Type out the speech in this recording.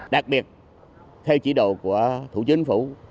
đặc biệt theo chỉ đồ của thủ chính phủ